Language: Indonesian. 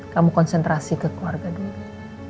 kamu konsentrasi ke keluarga dulu